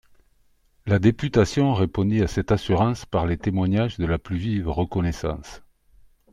La députation répondit à cette assurance par les témoignages de la plus vive reconnaissance.